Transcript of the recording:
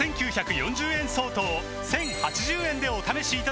５９４０円相当を１０８０円でお試しいただけます